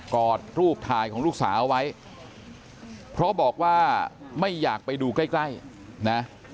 อดรูปถ่ายของลูกสาวไว้เพราะบอกว่าไม่อยากไปดูใกล้ใกล้นะ